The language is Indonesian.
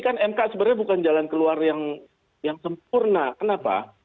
karena mk sebenarnya bukan jalan keluar yang sempurna kenapa